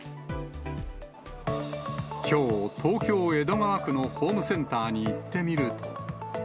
きょう、東京・江戸川区のホームセンターに行ってみると。